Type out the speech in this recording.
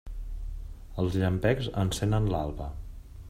Els llampecs encenen l'alba.